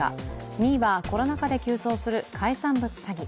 ２位はコロナ禍で急増する海産物詐欺。